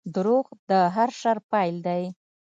• دروغ د هر شر پیل دی.